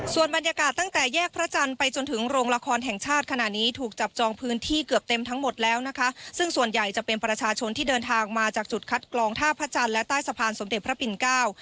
ส่วนบรรยากาศตั้งแต่แยกพระจันทร์ไปจนถึงโรงละครแห่งชาติขณะนี้ถูกจับจองพื้นที่เกือบเต็มทั้งหมดแล้วนะคะซึ่งส่วนใหญ่จะเป็นประชาชนที่เดินทางมาจากจุดคัดกรองท่าพระจันทร์และใต้สะพานสมเด็จพระปิ่นเก้า